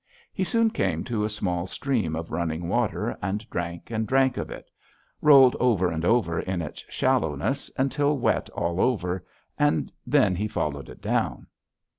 He soon came to a small stream of running water and drank and drank of it, rolled over and over in its shallowness until wet all over, and then he followed it down.